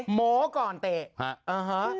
หมอก่อนเตะ